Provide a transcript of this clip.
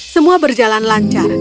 semua berjalan lancar